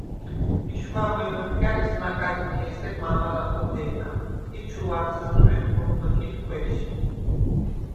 “მიშგუ̂ა მუე მჷდგა̈რის ნაკაზნიე ესერ მა̄მა ლაჰოდე̄ნა ი ჩუუ̂ ადსინჯუ̂ეხ გუნ ბჷგიდ გუ̂ეშ”.